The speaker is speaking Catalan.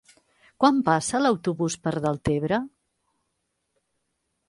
Quan passa l'autobús per Deltebre?